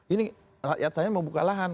ini rakyat saya mau buka lahan